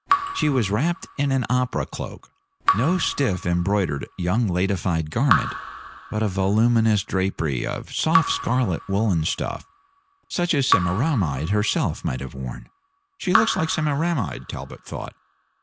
She was wrapped in an opera cloak; no stiff, embroidered, young ladified garment, but a voluminous drapery of soft scarlet woollen stuff, such as Semiramide herself might have worn. "She looks like Semiramide," Talbot thought.